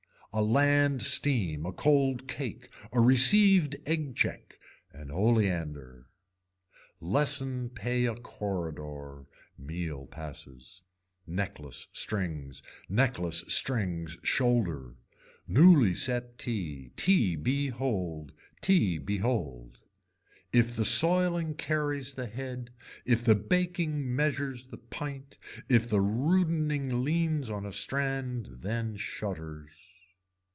A land steam, a cold cake, a received egg check, an oleander. Lessen pay a corridor, meal passes. Necklace, strings. Necklace, strings, shoulder. Newly set tea, tea be hold. Tea behold. If the soiling carries the head, if the baking measures the pint, if the rudening leans on a strand then shutters.